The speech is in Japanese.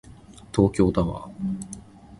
東京タワー